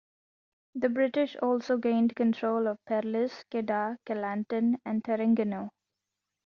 The British also gained control of Perlis, Kedah, Kelantan and Terengganu.